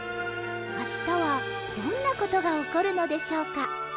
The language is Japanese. あしたはどんなことがおこるのでしょうか。